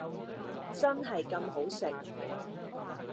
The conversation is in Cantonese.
真係咁好食？